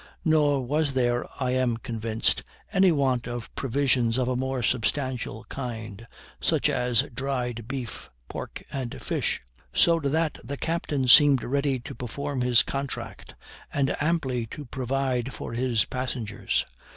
Nor was there, I am convinced, any want of provisions of a more substantial kind; such as dried beef, pork, and fish; so that the captain seemed ready to perform his contract, and amply to provide for his passengers.